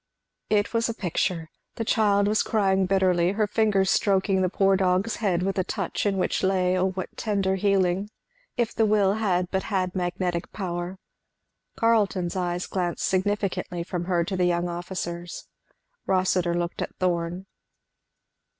It was a picture. The child was crying bitterly, her fingers stroking the poor dog's head with a touch in which lay, O what tender healing, if the will had but had magnetic power. Carleton's eye glanced significantly from her to the young officers. Rossitur looked at Thorn.